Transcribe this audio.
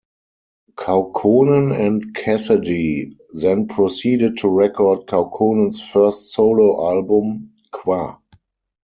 Kaukonen and Casady then proceeded to record Kaukonen's first solo album, "Quah".